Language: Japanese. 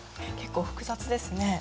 結構複雑ですね。